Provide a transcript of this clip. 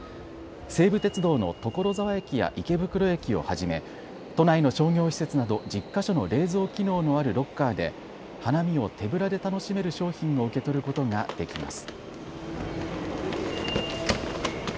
西武鉄道の所沢駅や池袋駅をはじめ都内の商業施設など１０か所の冷蔵機能のあるロッカーで花見を手ぶらで楽しめる商品を受け取ることができます。